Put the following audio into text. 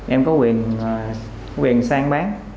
em có quyền sang bán